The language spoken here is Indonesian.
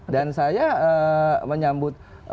dan saya menyambut